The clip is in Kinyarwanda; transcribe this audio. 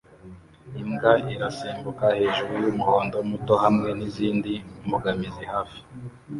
Imbwa irasimbuka hejuru yumuhondo muto hamwe nizindi mbogamizi hafi